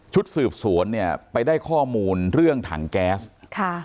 สืบสวนเนี่ยไปได้ข้อมูลเรื่องถังแก๊สค่ะ